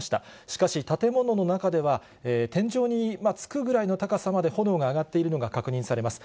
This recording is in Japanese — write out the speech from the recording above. しかし、建物の中では、天井につくぐらいの高さまで炎が上がっているのが確認されます。